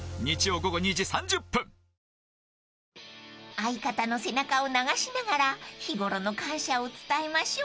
［相方の背中を流しながら日頃の感謝を伝えましょう］